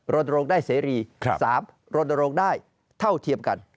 ๒โรนวงศ์ได้เสียรี๓โรนวงศ์ได้เท่าเทียบกัน